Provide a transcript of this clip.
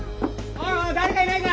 おいおい誰かいないか？